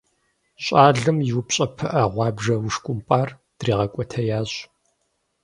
Щӏалэм и упщӀэ пыӀэ гъуабжэ ушкӀумпӀар дригъэкӀуэтеящ.